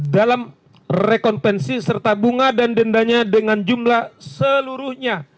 dalam rekonvensi serta bunga dan dendanya dengan jumlah seluruhnya